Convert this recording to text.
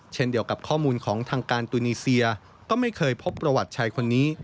เช่นเดียวกับข้อมูลของทางการตุนีเซียก็ไม่เคยพบประวัติชายคนนี้